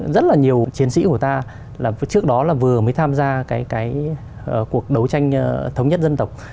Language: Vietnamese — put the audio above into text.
rất là nhiều chiến sĩ của ta trước đó vừa mới tham gia cuộc đấu tranh thống nhất dân tộc